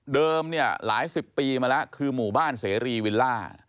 เนี่ยหลายสิบปีมาแล้วคือหมู่บ้านเสรีวิลล่า